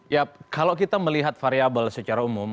ya kalau kita melihat variable secara umum